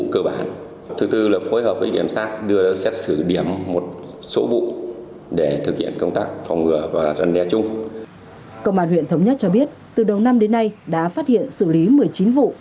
công an huyện thống nhất cho biết từ đầu năm đến nay đã phát hiện xử lý một mươi chín vụ